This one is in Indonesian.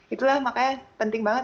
itulah makanya penting banget